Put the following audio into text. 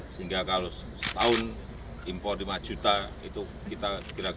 sehingga kalau setahun impor lima juta itu kita kira kira masih cukup banyak